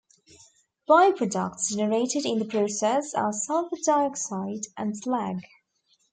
By-products generated in the process are sulfur dioxide and slag.